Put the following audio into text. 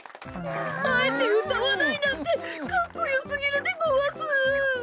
あえてうたわないなんてかっこよすぎるでごわす！